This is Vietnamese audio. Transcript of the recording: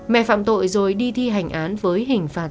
mẹ phạm tội rồi đi thi hành án với hình phạt